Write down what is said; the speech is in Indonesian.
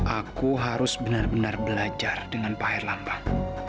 aku harus benar benar belajar dengan pak erlambang